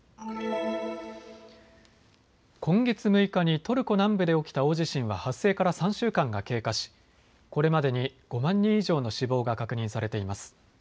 今月６日にトルコ南部で起きた大地震は発生から３週間が経過しこれまでに５万人以上の死亡が確認されています。